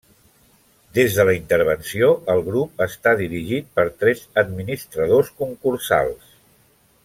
Des de la intervenció el grup està dirigit per tres administradors concursals.